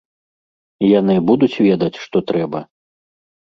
Яны будуць ведаць, што трэба?